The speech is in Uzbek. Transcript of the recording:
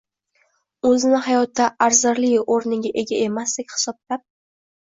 O’zini hayotda arzirli o’rniga ega emasdek hisoblab